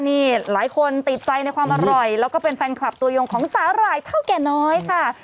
นี่หลายคนติดใจในความอร่อยแล้วก็เป็นแฟนคลับตัวยงของสาหร่ายเท่าแก่น้อยค่ะ